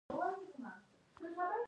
صنعتي تولید د رکود په حالت کې وي